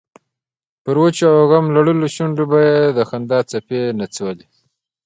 پر وچو او غم لړلو شونډو به یې د خندا څپې نڅولې.